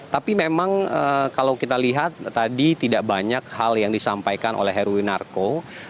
tapi memang kalau kita lihat tadi tidak banyak hal yang disampaikan oleh heruwinarko